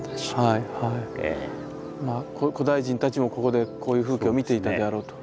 まあ古代人たちもここでこういう風景を見ていたであろうと。